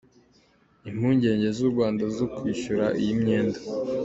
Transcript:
Impungenge z’u Rwanda zo kwishyura iyi myenda.